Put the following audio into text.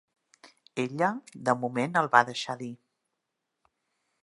Ella de moment el va deixar dir